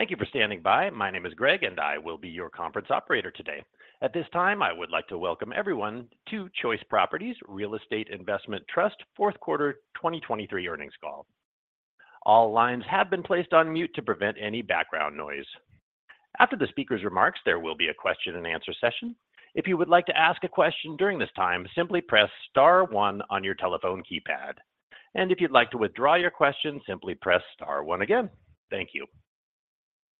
Thank you for standing by. My name is Greg, and I will be your Conference Operator today. At this time, I would like to welcome everyone to Choice Properties Real Estate Investment Trust Fourth Quarter 2023 Earnings Call. All lines have been placed on mute to prevent any background noise. After the speaker's remarks, there will be a Q&A session. If you would like to ask a question during this time, simply press star one on your telephone keypad. If you'd like to withdraw your question, simply press star one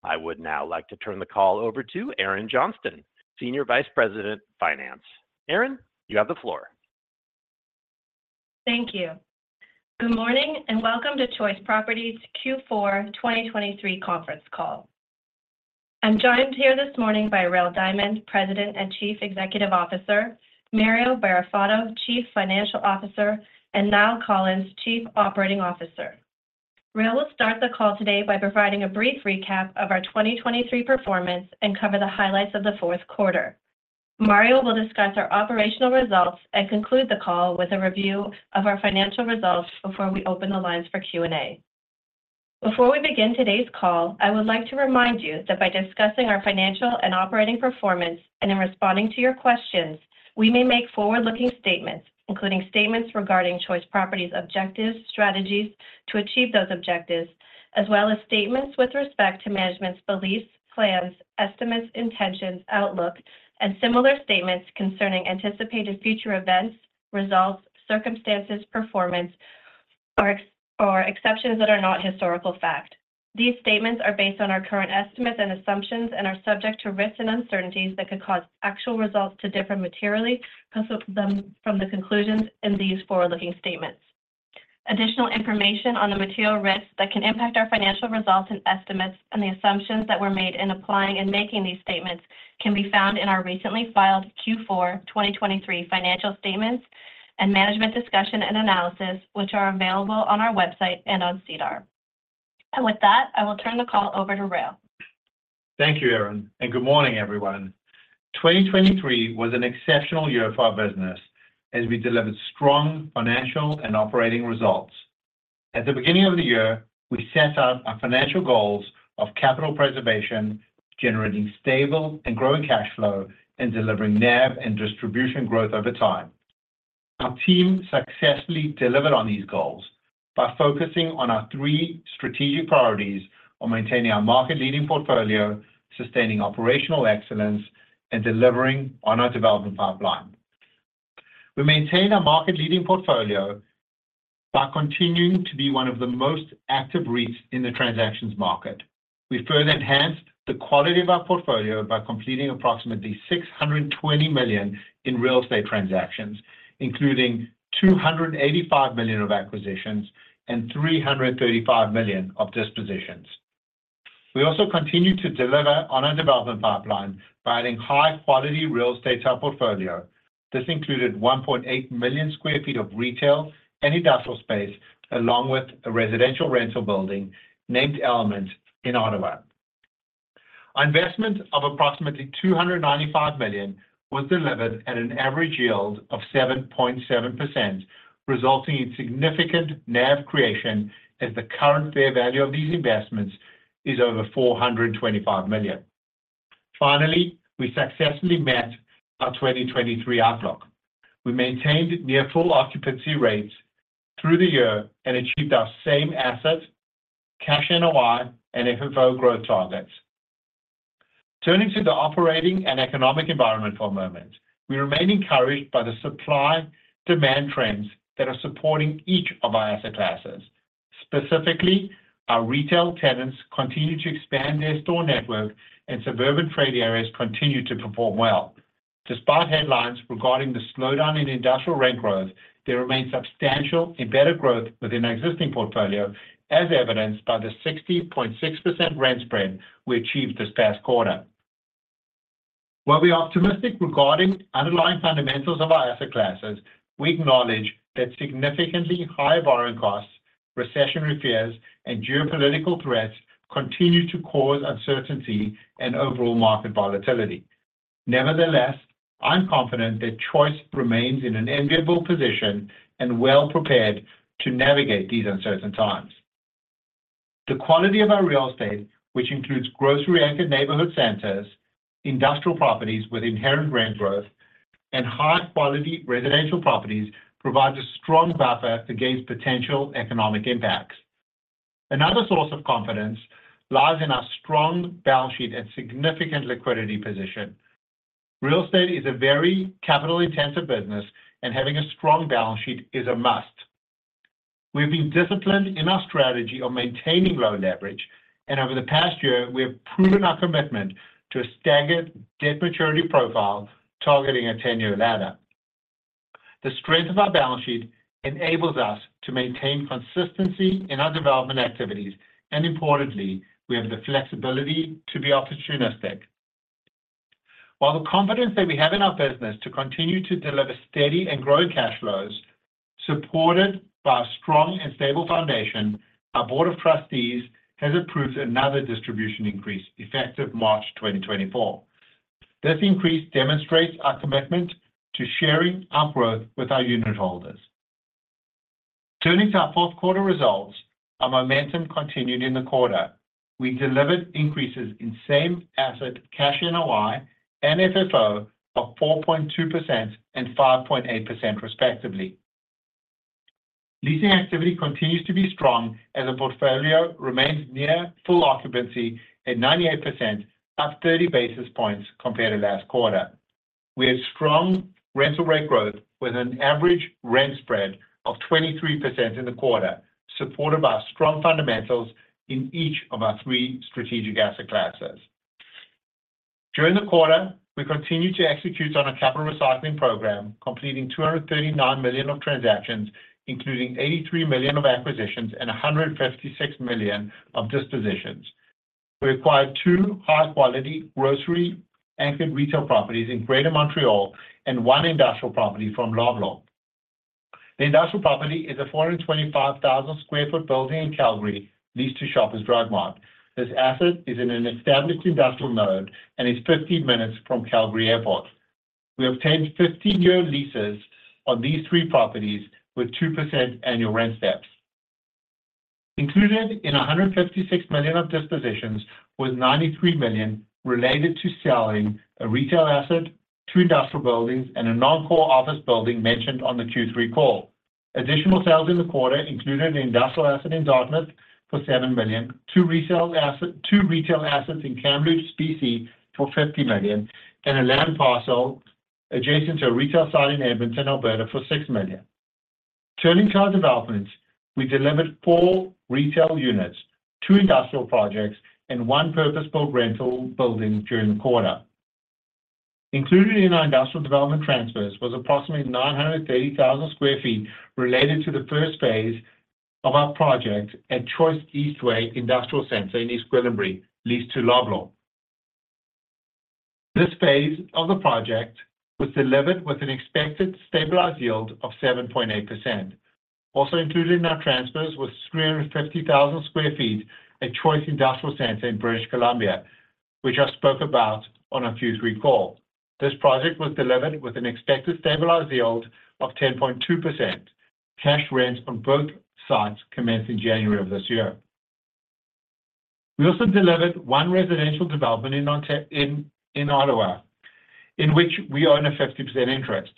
again. Thank you. I would now like to turn the call over to Erin Johnston, Senior Vice President, Finance. Erin, you have the floor. Thank you. Good morning and welcome to Choice Properties Q4 2023 Conference Call. I'm joined here this morning by Rael Diamond, President and Chief Executive Officer; Mario Barrafato, Chief Financial Officer; and Niall Collins, Chief Operating Officer. Rael will start the call today by providing a brief recap of our 2023 performance and cover the highlights of the fourth quarter. Mario will discuss our operational results and conclude the call with a review of our financial results before we open the lines for Q&A. Before we begin today's call, I would like to remind you that by discussing our financial and operating performance and in responding to your questions, we may make forward-looking statements, including statements regarding Choice Properties' objectives, strategies to achieve those objectives, as well as statements with respect to management's beliefs, plans, estimates, intentions, outlook, and similar statements concerning anticipated future events, results, circumstances, performance, or exceptions that are not historical fact. These statements are based on our current estimates and assumptions and are subject to risks and uncertainties that could cause actual results to differ materially from the conclusions in these forward-looking statements. Additional information on the material risks that can impact our financial results and estimates and the assumptions that were made in applying and making these statements can be found in our recently filed Q4 2023 financial statements and management discussion and analysis, which are available on our website and on SEDAR+. With that, I will turn the call over to Rael. Thank you, Erin, and good morning, everyone. 2023 was an exceptional year for our business as we delivered strong financial and operating results. At the beginning of the year, we set out our financial goals of capital preservation, generating stable and growing cash flow, and delivering NAV and distribution growth over time. Our team successfully delivered on these goals by focusing on our three strategic priorities on maintaining our market-leading portfolio, sustaining operational excellence, and delivering on our development pipeline. We maintained our market-leading portfolio by continuing to be one of the most active REITs in the transactions market. We further enhanced the quality of our portfolio by completing approximately 620 million in real estate transactions, including 285 million of acquisitions and 335 million of dispositions. We also continued to deliver on our development pipeline by adding high-quality real estate to our portfolio. This included 1.8 million sq ft of retail and industrial space, along with a residential rental building named Element in Ottawa. Our investment of approximately 295 million was delivered at an average yield of 7.7%, resulting in significant NAV creation as the current fair value of these investments is over 425 million. Finally, we successfully met our 2023 outlook. We maintained near-full occupancy rates through the year and achieved our same asset, cash NOI, and FFO growth targets. Turning to the operating and economic environment for a moment, we remain encouraged by the supply-demand trends that are supporting each of our asset classes. Specifically, our retail tenants continue to expand their store network, and suburban trade areas continue to perform well. Despite headlines regarding the slowdown in industrial rent growth, there remains substantial and better growth within our existing portfolio, as evidenced by the 60.6% rent spread we achieved this past quarter. While we're optimistic regarding underlying fundamentals of our asset classes, we acknowledge that significantly higher borrowing costs, recessionary fears, and geopolitical threats continue to cause uncertainty and overall market volatility. Nevertheless, I'm confident that Choice remains in an enviable position and well-prepared to navigate these uncertain times. The quality of our real estate, which includes grocery-anchored neighborhood centres, industrial properties with inherent rent growth, and high-quality residential properties, provides a strong buffer against potential economic impacts. Another source of confidence lies in our strong balance sheet and significant liquidity position. Real estate is a very capital-intensive business, and having a strong balance sheet is a must. We've been disciplined in our strategy on maintaining low leverage, and over the past year, we have proven our commitment to a staggered debt maturity profile targeting a 10-year ladder. The strength of our balance sheet enables us to maintain consistency in our development activities, and importantly, we have the flexibility to be opportunistic. While the confidence that we have in our business to continue to deliver steady and growing cash flows, supported by a strong and stable foundation, our Board of Trustees has approved another distribution increase effective March 2024. This increase demonstrates our commitment to sharing our growth with our unitholders. Turning to our fourth quarter results, our momentum continued in the quarter. We delivered increases in Same Asset Cash NOI and FFO of 4.2% and 5.8%, respectively. Leasing activity continues to be strong as our portfolio remains near full occupancy at 98%, up 30 basis points compared to last quarter. We had strong rental rate growth with an average rent spread of 23% in the quarter, supported by strong fundamentals in each of our three strategic asset classes. During the quarter, we continued to execute on our capital recycling program, completing 239 million of transactions, including 83 million of acquisitions and 156 million of dispositions. We acquired two high-quality grocery-anchored retail properties in Greater Montreal and one industrial property from Loblaw. The industrial property is a 425,000 sq ft building in Calgary, leased to Shoppers Drug Mart. This asset is in an established industrial node and is 15 minutes from Calgary Airport. We obtained 15-year leases on these three properties with 2% annual rent steps. Included in 156 million of dispositions was 93 million related to selling a retail asset, two industrial buildings, and a non-core office building mentioned on the Q3 call. Additional sales in the quarter included an industrial asset in Dartmouth for 7 million, two retail assets in Kamloops, BC, for 50 million, and a land parcel adjacent to a retail site in Edmonton, Alberta, for 6 million. Turning to our developments, we delivered four retail units, two industrial projects, and one purpose-built rental building during the quarter. Included in our industrial development transfers was approximately 930,000 sq ft related to the first phase of our project at Choice Eastway Industrial Centre in East Gwillimbury, leased to Loblaw. This phase of the project was delivered with an expected stabilized yield of 7.8%. Also included in our transfers was 350,000 sq ft at Choice Industrial Centre in British Columbia, which I spoke about on our Q3 call. This project was delivered with an expected stabilized yield of 10.2%. Cash rent on both sites commenced in January of this year. We also delivered one residential development in Ottawa in which we own a 50% interest.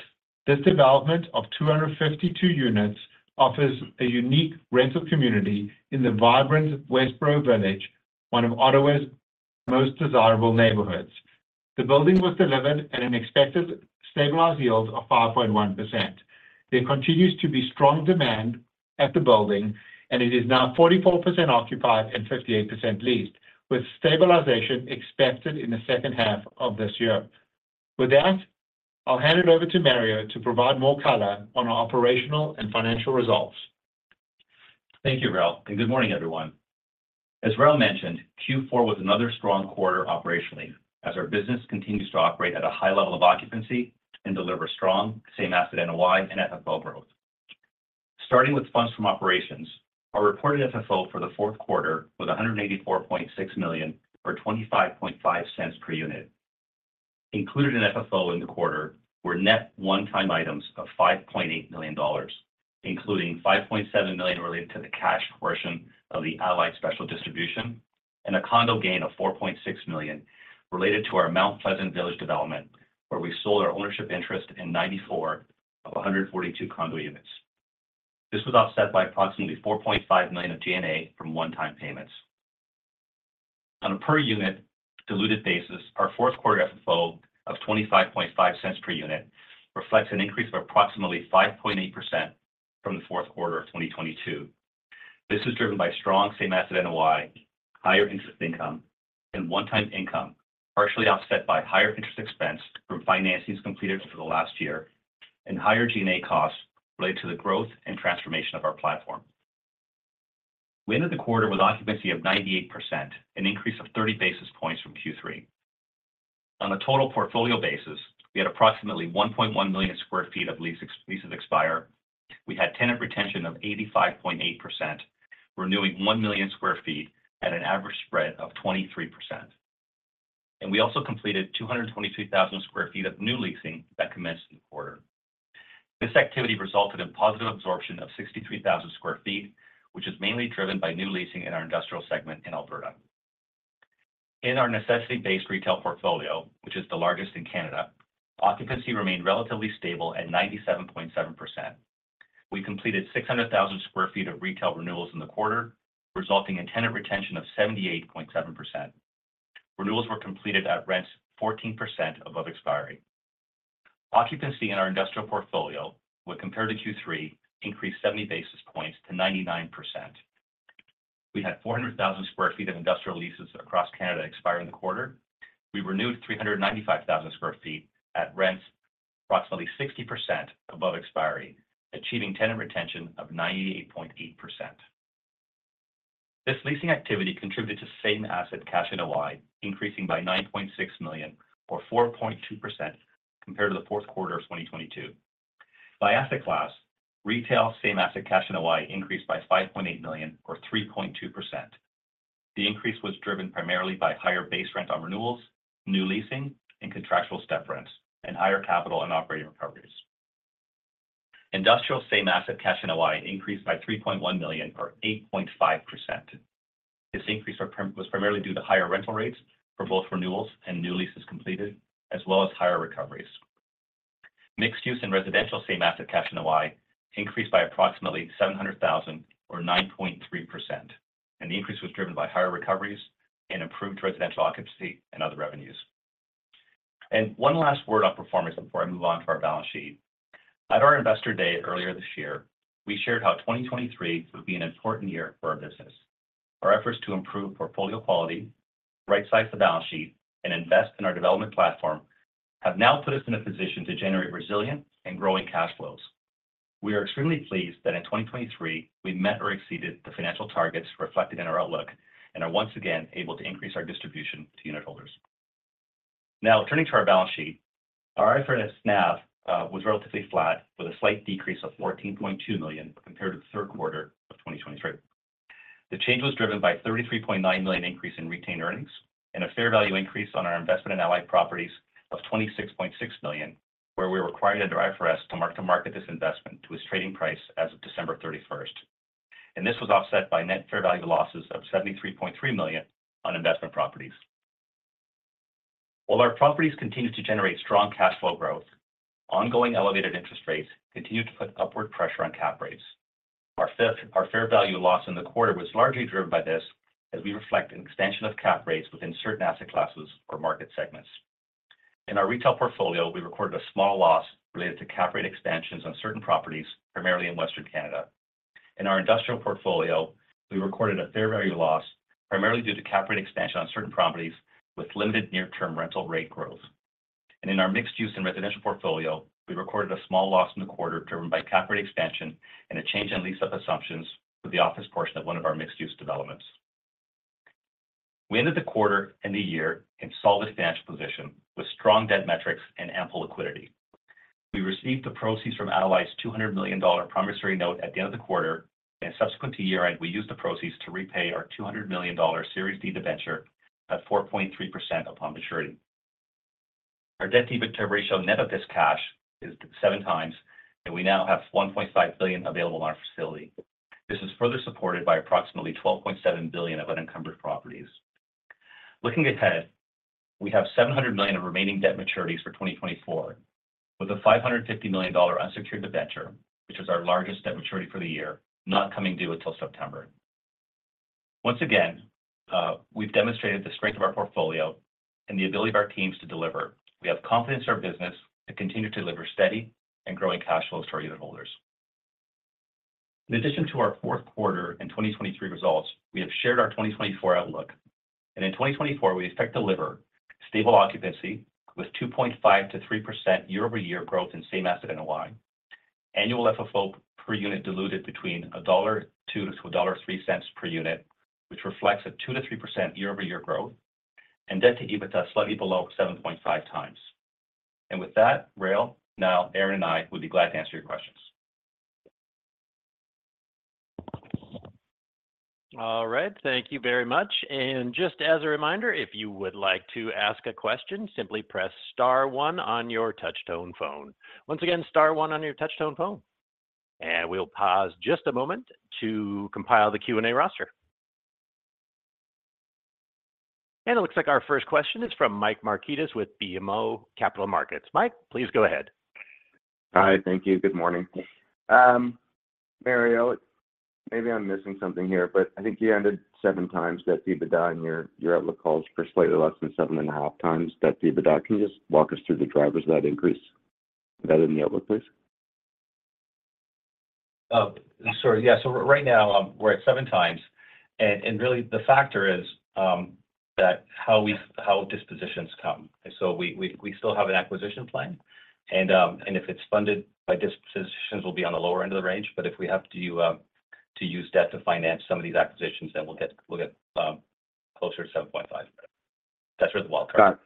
This development of 252 units offers a unique rental community in the vibrant Westboro Village, one of Ottawa's most desirable neighborhoods. The building was delivered at an expected stabilized yield of 5.1%. There continues to be strong demand at the building, and it is now 44% occupied and 58% leased, with stabilization expected in the second half of this year. With that, I'll hand it over to Mario to provide more color on our operational and financial results. Thank you, Rael, and good morning, everyone. As Rael mentioned, Q4 was another strong quarter operationally as our business continues to operate at a high level of occupancy and deliver strong same asset NOI and FFO growth. Starting with funds from operations, our reported FFO for the fourth quarter was 184.6 million or 0.25 per unit. Included in FFO in the quarter were net one-time items of 5.8 million dollars, including 5.7 million related to the cash portion of the Allied special distribution and a condo gain of 4.6 million related to our Mount Pleasant Village development, where we sold our ownership interest in 94 of 142 condo units. This was offset by approximately 4.5 million of G&A from one-time payments. On a per unit diluted basis, our fourth quarter FFO of 0.25 per unit reflects an increase of approximately 5.8% from the fourth quarter of 2022. This is driven by strong same asset NOI, higher interest income, and one-time income, partially offset by higher interest expense from financings completed over the last year and higher G&A costs related to the growth and transformation of our platform. We ended the quarter with occupancy of 98%, an increase of 30 basis points from Q3. On a total portfolio basis, we had approximately 1.1 million sq ft of leases expire. We had tenant retention of 85.8%, renewing 1 million sq ft at an average spread of 23%. We also completed 223,000 sq ft of new leasing that commenced in the quarter. This activity resulted in positive absorption of 63,000 sq ft, which is mainly driven by new leasing in our industrial segment in Alberta. In our necessity-based retail portfolio, which is the largest in Canada, occupancy remained relatively stable at 97.7%. We completed 600,000 sq ft of retail renewals in the quarter, resulting in tenant retention of 78.7%. Renewals were completed at rents 14% above expiry. Occupancy in our industrial portfolio, when compared to Q3, increased 70 basis points to 99%. We had 400,000 sq ft of industrial leases across Canada expiring the quarter. We renewed 395,000 sq ft at rents approximately 60% above expiry, achieving tenant retention of 98.8%. This leasing activity contributed to Same Asset Cash NOI, increasing by 9.6 million or 4.2% compared to the fourth quarter of 2022. By asset class, retail Same Asset Cash NOI increased by 5.8 million or 3.2%. The increase was driven primarily by higher base rent on renewals, new leasing and contractual step rents, and higher capital and operating recoveries. Industrial Same Asset Cash NOI increased by 3.1 million or 8.5%. This increase was primarily due to higher rental rates for both renewals and new leases completed, as well as higher recoveries. Mixed-use and residential Same Asset Cash NOI increased by approximately 700,000 or 9.3%, and the increase was driven by higher recoveries and improved residential occupancy and other revenues. One last word on performance before I move on to our balance sheet. At our investor day earlier this year, we shared how 2023 would be an important year for our business. Our efforts to improve portfolio quality, right-size the balance sheet, and invest in our development platform have now put us in a position to generate resilient and growing cash flows. We are extremely pleased that in 2023, we met or exceeded the financial targets reflected in our outlook and are once again able to increase our distribution to unitholders. Now, turning to our balance sheet, our IFRS NAV was relatively flat, with a slight decrease of 14.2 million compared to the third quarter of 2023. The change was driven by a 33.9 million increase in retained earnings and a fair value increase on our investment in Allied Properties of 26.6 million, where we were required under IFRS to mark-to-market this investment to its trading price as of December 31st. This was offset by net fair value losses of 73.3 million on investment properties. While our properties continue to generate strong cash flow growth, ongoing elevated interest rates continue to put upward pressure on cap rates. Our fair value loss in the quarter was largely driven by this as we reflect an expansion of cap rates within certain asset classes or market segments. In our retail portfolio, we recorded a small loss related to cap rate expansions on certain properties, primarily in Western Canada. In our industrial portfolio, we recorded a fair value loss primarily due to cap rate expansion on certain properties with limited near-term rental rate growth. In our mixed-use and residential portfolio, we recorded a small loss in the quarter driven by cap rate expansion and a change in lease-up assumptions for the office portion of one of our mixed-use developments. We ended the quarter and the year in solid financial position with strong debt metrics and ample liquidity. We received the proceeds from Allied's 200 million dollar promissory note at the end of the quarter, and subsequent to year-end, we used the proceeds to repay our 200 million dollar Series D debenture at 4.3% upon maturity. Our debt-to-EBITDA ratio net of this cash is 7x, and we now have 1.5 billion available on our facility. This is further supported by approximately 12.7 billion of unencumbered properties. Looking ahead, we have 700 million of remaining debt maturities for 2024, with a 550 million dollar unsecured debenture, which is our largest debt maturity for the year, not coming due until September. Once again, we've demonstrated the strength of our portfolio and the ability of our teams to deliver. We have confidence in our business to continue to deliver steady and growing cash flows to our unitholders. In addition to our fourth quarter and 2023 results, we have shared our 2024 outlook. In 2024, we expect to deliver stable occupancy with 2.5%-3% year-over-year growth in same asset NOI, annual FFO per unit diluted between 1.02-1.03 dollar per unit, which reflects a 2%-3% year-over-year growth, and debt-to-EBITDA slightly below 7.5x. With that, Rael, now Erin and I would be glad to answer your questions. All right. Thank you very much. And just as a reminder, if you would like to ask a question, simply press star one on your touch-tone phone. Once again, star one on your touch-tone phone. And we'll pause just a moment to compile the Q&A roster. And it looks like our first question is from Mike Markidis with BMO Capital Markets. Mike, please go ahead. Hi. Thank you. Good morning. Mario, maybe I'm missing something here, but I think you ended 7x debt to EBITDA on your outlook calls for slightly less than 7.5x debt to EBITDA. Can you just walk us through the drivers of that increase in the outlook, please. Sure. Yeah. So right now, we're at 7x. And really, the factor is how dispositions come. So we still have an acquisition plan. And if it's funded by dispositions, we'll be on the lower end of the range. But if we have to use debt to finance some of these acquisitions, then we'll get closer to 7.5x. That's where the wall cuts. Got it.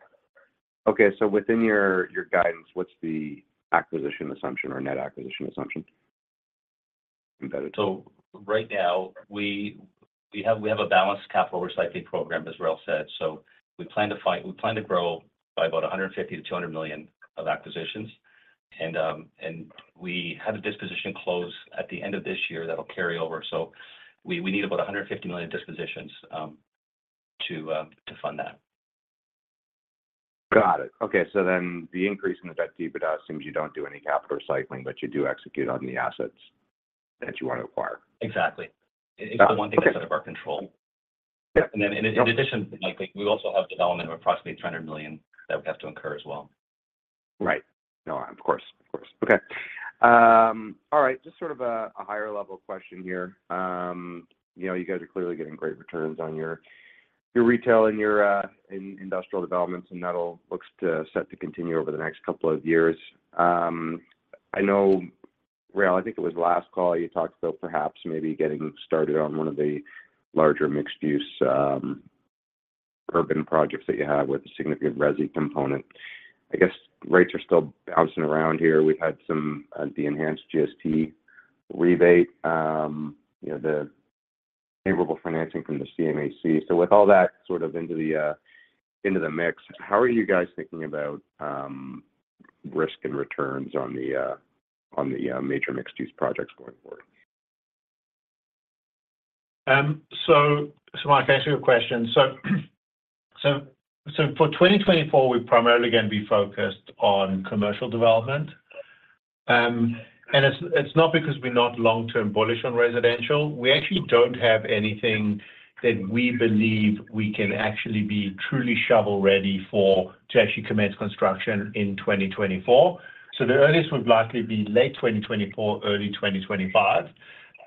Okay. So within your guidance, what's the acquisition assumption or net acquisition assumption? So right now, we have a balanced capital recycling program, as Rael said. We plan to grow by about 150 million-200 million of acquisitions. We had a disposition close at the end of this year that'll carry over. We need about 150 million dispositions to fund that. Got it. Okay. So then the increase in the debt-to-EBITDA seems you don't do any capital recycling, but you do execute on the assets that you want to acquire. Exactly. It's the one thing that's out of our control. And then in addition, Mike, we also have development of approximately 300 million that we have to incur as well. Right. No, of course. Of course. Okay. All right. Just sort of a higher-level question here. You guys are clearly getting great returns on your retail and your industrial developments, and that all looks set to continue over the next couple of years. Rael, I think it was last call you talked about perhaps maybe getting started on one of the larger mixed-use urban projects that you have with a significant resi component. I guess rates are still bouncing around here. We've had the enhanced GST rebate, the favorable financing from the CMHC. So with all that sort of into the mix, how are you guys thinking about risk and returns on the major mixed-use projects going forward? So Mike, answer your question. So for 2024, we're primarily going to be focused on commercial development. And it's not because we're not long-term bullish on residential. We actually don't have anything that we believe we can actually be truly shovel-ready to actually commence construction in 2024. So the earliest would likely be late 2024, early 2025.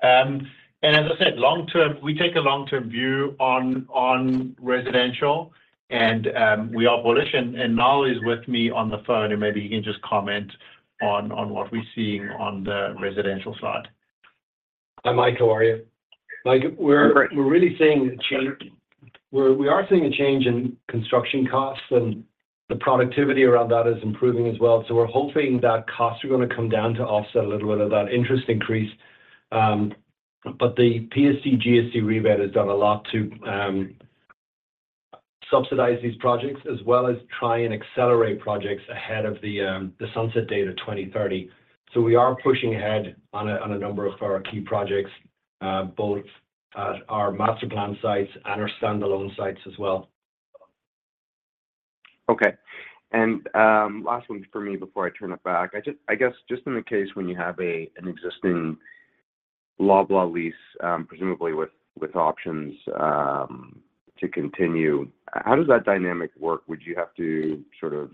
And as I said, we take a long-term view on residential, and we are bullish. And Niall is with me on the phone, and maybe he can just comment on what we're seeing on the residential side. Hi, Mike. How are you? Mike, we're really seeing a change. We are seeing a change in construction costs, and the productivity around that is improving as well. So we're hoping that costs are going to come down to offset a little bit of that interest increase. But the PST-GST rebate has done a lot to subsidize these projects as well as try and accelerate projects ahead of the sunset date of 2030. So we are pushing ahead on a number of our key projects, both at our master plan sites and our standalone sites as well. Okay. Last one for me before I turn it back. I guess just in the case when you have an existing Loblaw lease, presumably with options to continue, how does that dynamic work? Would you have to sort of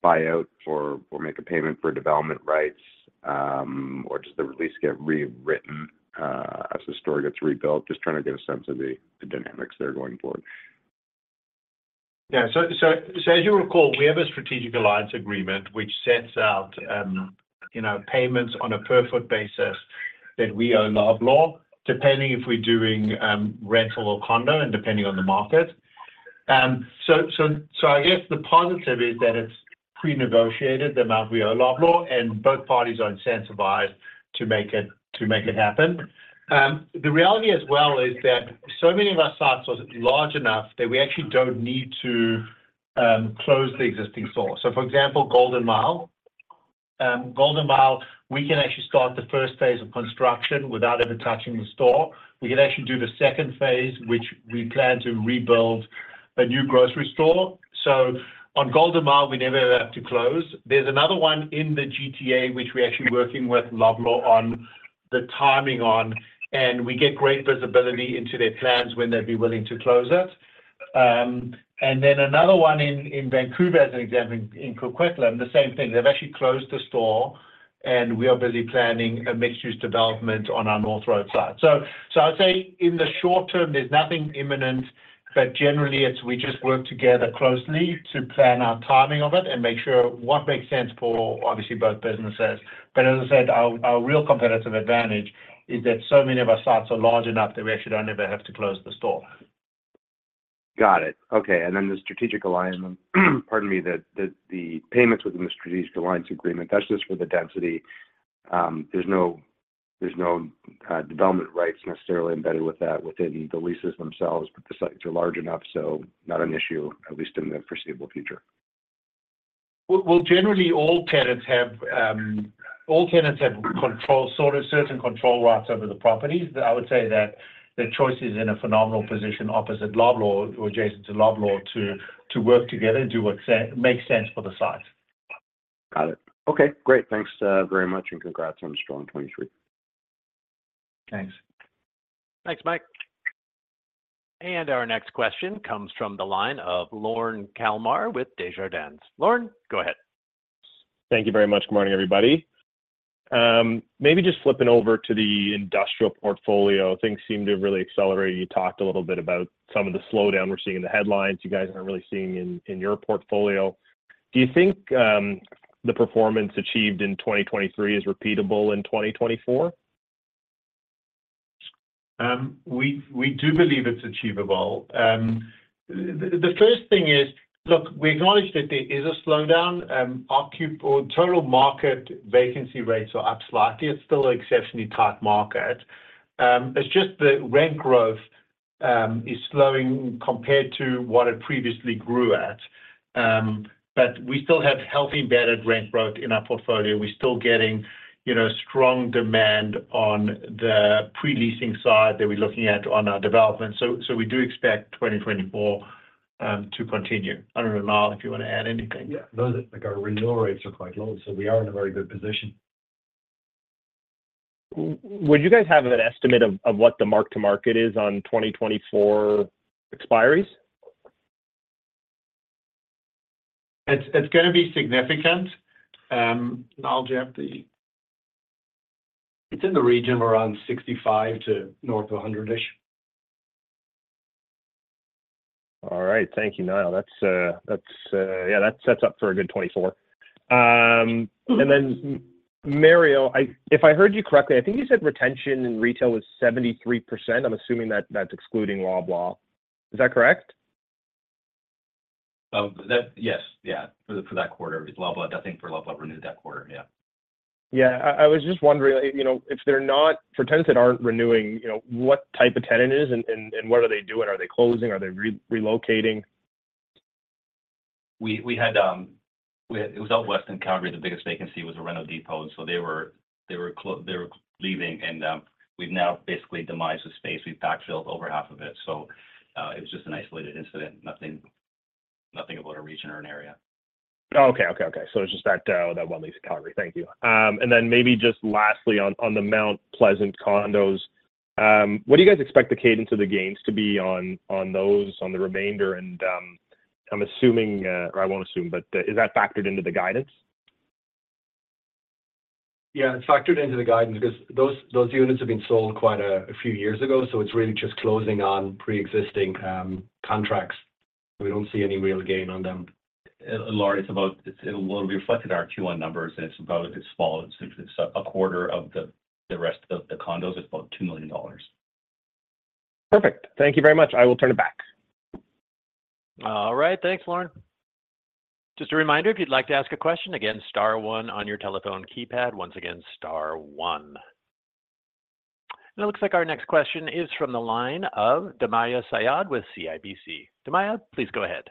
buy out or make a payment for development rights, or does the lease get rewritten as the store gets rebuilt? Just trying to get a sense of the dynamics there going forward. Yeah. So as you recall, we have a Strategic Alliance Agreement which sets out payments on a per-foot basis that we owe Loblaw, depending if we're doing rental or condo and depending on the market. So I guess the positive is that it's pre-negotiated the amount we owe Loblaw, and both parties are incentivized to make it happen. The reality as well is that so many of our sites are large enough that we actually don't need to close the existing store. So for example, Golden Mile. Golden Mile, we can actually start the first phase of construction without ever touching the store. We can actually do the second phase, which we plan to rebuild a new grocery store. So on Golden Mile, we never ever have to close. There's another one in the GTA, which we're actually working with Loblaw on the timing on, and we get great visibility into their plans when they'd be willing to close it. And then another one in Vancouver, as an example, in Coquitlam, the same thing. They've actually closed the store, and we are busy planning a mixed-use development on our North Road side. So I'd say in the short term, there's nothing imminent, but generally, we just work together closely to plan our timing of it and make sure what makes sense for, obviously, both businesses. But as I said, our real competitive advantage is that so many of our sites are large enough that we actually don't ever have to close the store. Got it. Okay. And then the strategic alliance, pardon me, the payments within the Strategic Alliance Agreement, that's just for the density. There's no development rights necessarily embedded with that within the leases themselves, but the sites are large enough, so not an issue, at least in the foreseeable future. Well, generally, all tenants have control sort of certain control rights over the properties. I would say that Choice is in a phenomenal position opposite Loblaw or adjacent to Loblaw to work together and do what makes sense for the sites. Got it. Okay. Great. Thanks very much, and congrats on the strong 2023. Thanks. Thanks, Mike. And our next question comes from the line of Lorne Kalmar with Desjardins. Lorne, go ahead. Thank you very much. Good morning, everybody. Maybe just flipping over to the industrial portfolio. Things seem to have really accelerated. You talked a little bit about some of the slowdown we're seeing in the headlines you guys aren't really seeing in your portfolio. Do you think the performance achieved in 2023 is repeatable in 2024? We do believe it's achievable. The first thing is, look, we acknowledge that there is a slowdown. Our total market vacancy rates are up slightly. It's still an exceptionally tight market. It's just the rent growth is slowing compared to what it previously grew at. But we still have healthy embedded rent growth in our portfolio. We're still getting strong demand on the pre-leasing side that we're looking at on our development. So we do expect 2024 to continue. I don't know, Niall, if you want to add anything. Yeah. Our renewal rates are quite low, so we are in a very good position. Would you guys have an estimate of what the mark-to-market is on 2024 expiries? It's going to be significant. Niall, do you have the? It's in the region. We're on 65 to north of 100-ish. All right. Thank you, Niall. Yeah, that sets up for a good 2024. And then, Mario, if I heard you correctly, I think you said retention in retail was 73%. I'm assuming that's excluding Loblaw. Is that correct? Yes. Yeah. For that quarter, it's Loblaw. I think for Loblaw, renewed that quarter. Yeah. Yeah. I was just wondering if they're not for tenants that aren't renewing, what type of tenant is it, and what are they doing? Are they closing? Are they relocating? It was out west in Calgary. The biggest vacancy was a rental depot. They were leaving. We've now basically demised the space. We've backfilled over half of it. It was just an isolated incident. Nothing about a region or an area. Oh, okay. Okay. Okay. So it's just that one lease in Calgary. Thank you. And then maybe just lastly, on the Mount Pleasant condos, what do you guys expect the cadence of the gains to be on those, on the remainder? And I'm assuming or I won't assume, but is that factored into the guidance? Yeah, it's factored into the guidance because those units have been sold quite a few years ago. So it's really just closing on pre-existing contracts. We don't see any real gain on them. Lorne, it's about when we reflected our Q1 numbers, and it's about as small as a quarter of the rest of the condos. It's about 2 million dollars. Perfect. Thank you very much. I will turn it back. All right. Thanks, Lorne. Just a reminder, if you'd like to ask a question, again, star one on your telephone keypad. Once again, star one. It looks like our next question is from the line of Sumayya Syed with CIBC. Damaya, please go ahead.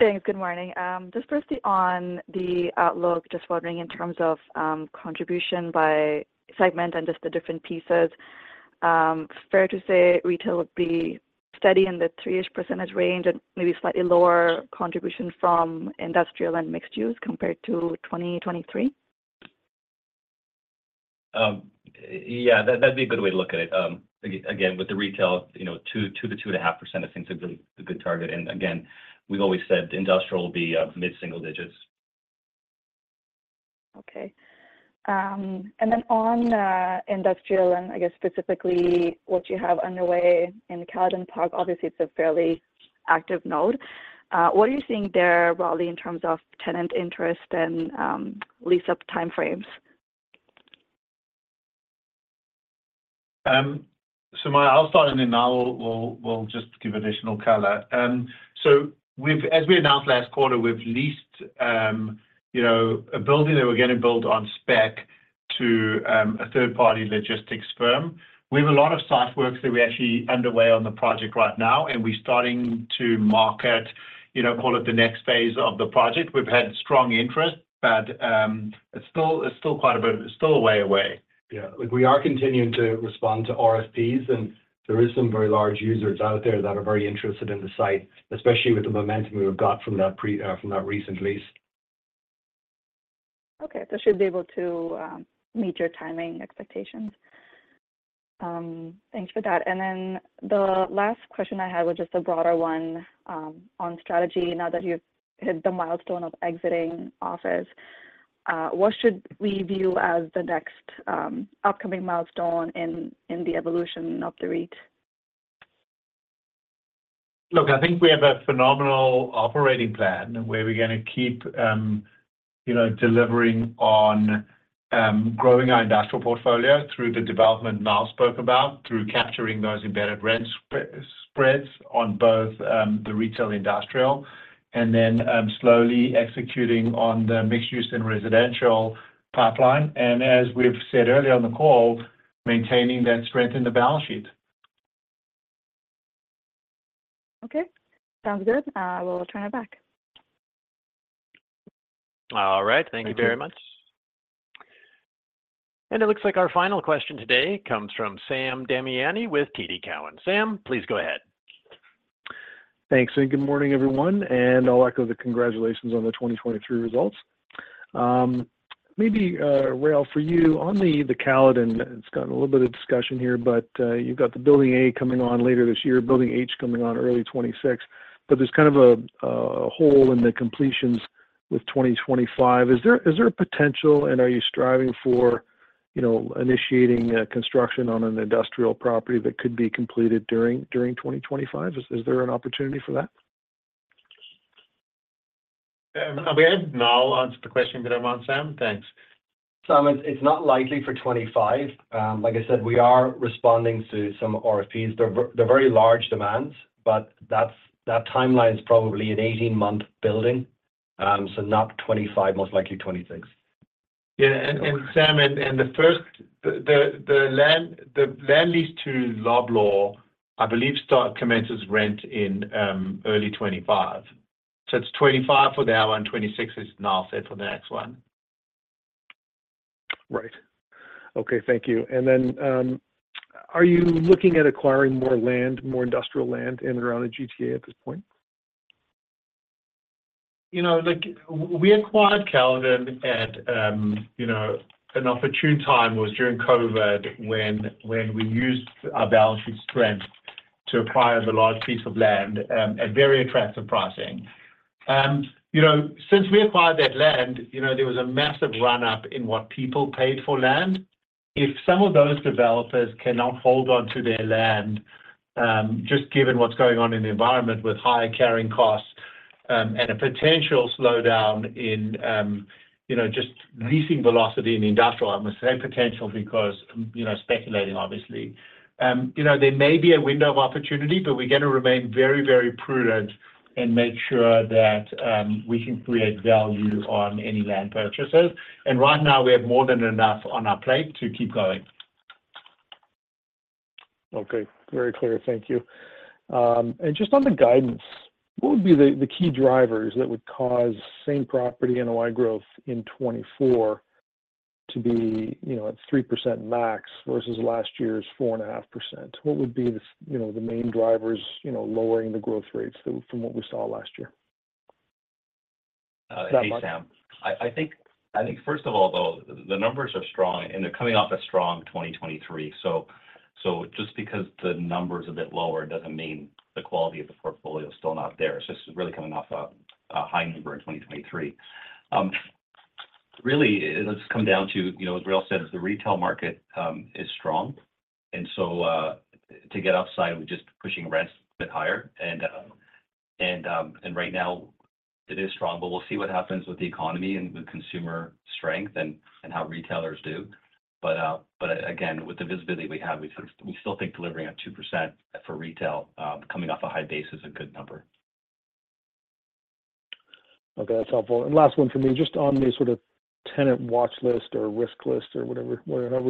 Thanks. Good morning. Just firstly, on the outlook, just wondering in terms of contribution by segment and just the different pieces. Fair to say retail would be steady in the 3%-ish range and maybe slightly lower contribution from industrial and mixed use compared to 2023? Yeah, that'd be a good way to look at it. Again, with the retail, 2%-2.5% seems like a good target. And again, we've always said industrial will be mid-single digits. Okay. And then on industrial and, I guess, specifically what you have underway in Caledon Park, obviously, it's a fairly active node. What are you seeing there, Rael, in terms of tenant interest and lease-up timeframes? So Mike, I'll start, and then Niall will just give additional color. So as we announced last quarter, we've leased a building that we're going to build on spec to a third-party logistics firm. We have a lot of site work that we're actually underway on the project right now, and we're starting to mark it, call it, the next phase of the project. We've had strong interest, but it's still quite a bit it's still a way away. Yeah. We are continuing to respond to RFPs, and there are some very large users out there that are very interested in the site, especially with the momentum we've got from that recent lease. Okay. Should be able to meet your timing expectations. Thanks for that. Then the last question I had was just a broader one on strategy. Now that you've hit the milestone of exiting office, what should we view as the next upcoming milestone in the evolution of the REIT? Look, I think we have a phenomenal operating plan where we're going to keep delivering on growing our industrial portfolio through the development Niall spoke about, through capturing those embedded rent spreads on both the retail industrial, and then slowly executing on the mixed-use and residential pipeline. As we've said earlier on the call, maintaining that strength in the balance sheet. Okay. Sounds good. We'll turn it back. All right. Thank you very much. And it looks like our final question today comes from Sam Damiani with TD Cowen. Sam, please go ahead. Thanks. And good morning, everyone. And I'll echo the congratulations on the 2023 results. Maybe, Rael, for you, on the Caledon, it's gotten a little bit of discussion here, but you've got the Building A coming on later this year, Building H coming on early 2026. But there's kind of a hole in the completions with 2025. Is there a potential, and are you striving for initiating construction on an industrial property that could be completed during 2025? Is there an opportunity for that? I'll go ahead and Niall answer the question that I'm on, Sam. Thanks. It's not likely for 2025. Like I said, we are responding to some RFPs. They're very large demands, but that timeline is probably an 18-month building, so not 2025, most likely 2026. Yeah. And Sam, the land lease to Loblaw, I believe, commences rent in early 2025. So it's 2025 for the our one, 2026 is now set for the next one. Right. Okay. Thank you. And then are you looking at acquiring more land, more industrial land, in and around the GTA at this point? We acquired Caledon at an opportune time, which was during COVID, when we used our balance sheet strength to acquire the large piece of land at very attractive pricing. Since we acquired that land, there was a massive run-up in what people paid for land. If some of those developers cannot hold onto their land, just given what's going on in the environment with high carrying costs and a potential slowdown in just leasing velocity in industrial, I'm going to say potential because speculating, obviously. There may be a window of opportunity, but we're going to remain very, very prudent and make sure that we can create value on any land purchases. Right now, we have more than enough on our plate to keep going. Okay. Very clear. Thank you. And just on the guidance, what would be the key drivers that would cause same property NOI growth in 2024 to be at 3% max versus last year's 4.5%? What would be the main drivers lowering the growth rates from what we saw last year? Hey, Sam. I think, first of all, though, the numbers are strong, and they're coming off a strong 2023. So just because the number's a bit lower doesn't mean the quality of the portfolio is still not there. So it's really coming off a high number in 2023. Really, it'll just come down to, as Rael said, the retail market is strong. And so to get upside, we're just pushing rents a bit higher. And right now, it is strong, but we'll see what happens with the economy and the consumer strength and how retailers do. But again, with the visibility we have, we still think delivering at 2% for retail, coming off a high base, is a good number. Okay. That's helpful. Last one for me, just on the sort of tenant watchlist or risk list or whatever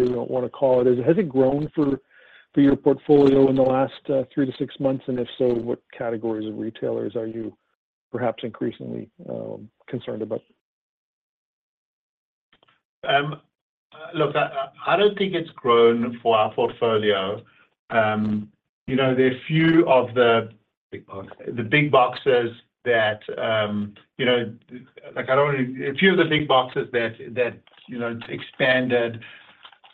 you want to call it, has it grown for your portfolio in the last 3-6 months? And if so, what categories of retailers are you perhaps increasingly concerned about? Look, I don't think it's grown for our portfolio. There are a few of the big boxes that expanded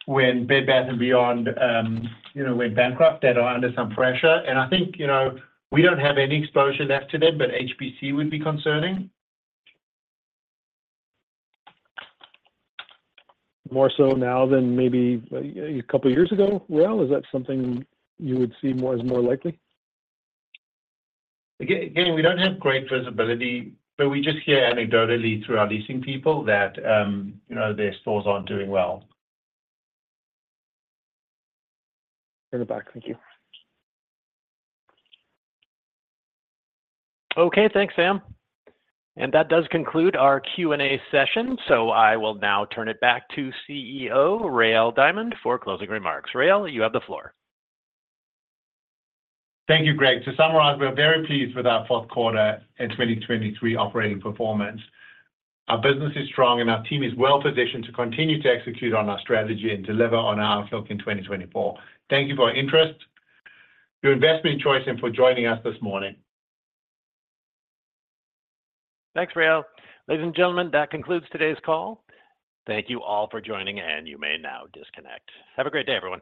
when Bed Bath & Beyond went bankrupt, that are under some pressure. I think we don't have any exposure left to them, but HBC would be concerning. More so now than maybe a couple of years ago, Rael? Is that something you would see as more likely? Again, we don't have great visibility, but we just hear anecdotally through our leasing people that their stores aren't doing well. Turn it back. Thank you. Okay. Thanks, Sam. That does conclude our Q&A session. I will now turn it back to CEO Rael Diamond for closing remarks. Rael, you have the floor. Thank you, Greg. To summarize, we're very pleased with our fourth quarter and 2023 operating performance. Our business is strong, and our team is well positioned to continue to execute on our strategy and deliver on our outlook in 2024. Thank you for your interest, your investment choice, and for joining us this morning. Thanks, Rael. Ladies and gentlemen, that concludes today's call. Thank you all for joining, and you may now disconnect. Have a great day, everyone.